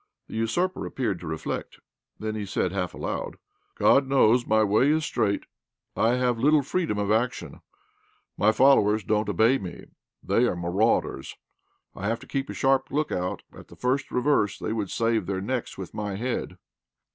The usurper appeared to reflect. Then he said, half aloud "God knows my way is straight. I have little freedom of action. My fellows don't obey me they are marauders. I have to keep a sharp look out at the first reverse they would save their necks with my head."